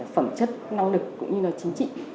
phẩm chất năng lực cũng như là chính trị